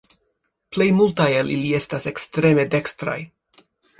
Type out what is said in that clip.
Plej multaj el ili estas ekstreme dekstraj.